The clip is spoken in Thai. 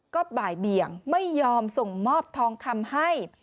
ก็บ่ายเบี่ยงไม่ยอมส่งมอบทองคำให้